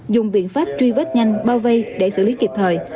dùng biện pháp truy vết nhanh bao vây để xử lý kịp thời